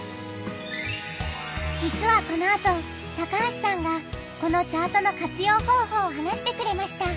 じつはこのあと高橋さんがこのチャートの活用方法を話してくれました。